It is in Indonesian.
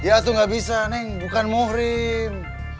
ya tuh gak bisa neng bukan muhrim